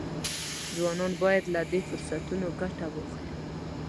ځوانان باید له دې فرصتونو ګټه واخلي.